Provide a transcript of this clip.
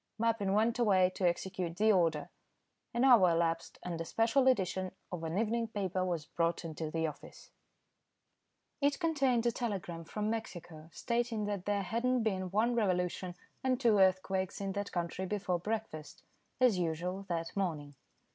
Mappin went away to execute the order. An hour elapsed, and a special edition of an evening paper was brought into the office. It contained a telegram from Mexico, stating that there had not been one revolution, and two earthquakes in that country before breakfast, as usual, that morning.